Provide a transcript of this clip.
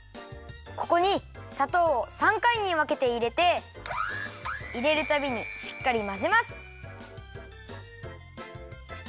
ここにさとうを３かいにわけていれていれるたびにしっかりまぜます！